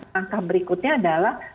langkah berikutnya adalah